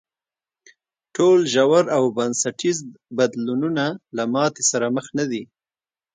ټول ژور او بنسټیز بدلونونه له ماتې سره مخ نه دي.